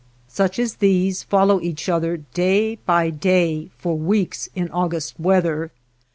Such as these follow each other day by day for weeks in August weather.